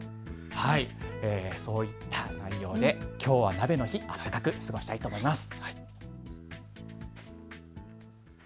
そういった内容できょうは鍋の日、暖かく過ごしたいと思います。